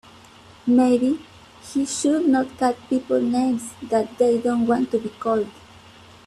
Maybe he should not call people names that they don't want to be called.